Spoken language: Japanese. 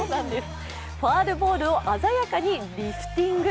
ファウルボールを鮮やかにリフティング。